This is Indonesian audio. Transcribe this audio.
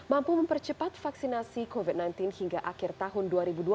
mampu mempercepat vaksinasi covid sembilan belas hingga akhir tahun dua ribu dua puluh